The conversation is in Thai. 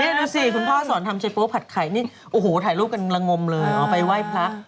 นี่ดูสิคุณพ่อสอนทำใจโป๊ผัดไข่นี่โอ้โหถ่ายรูปกันละงมเลยอ๋อไปไหว้พระ